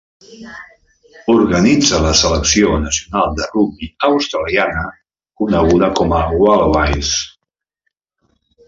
Organitza la selecció nacional de rugbi australiana, coneguda com a Wallabies.